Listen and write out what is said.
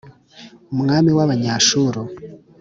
umwami w’Abanyashuru !